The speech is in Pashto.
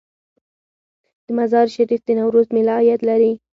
د مزار شریف د نوروز میله عاید لري؟